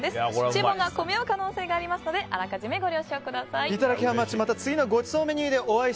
注文が混み合う可能性がありますので予めご了承ください。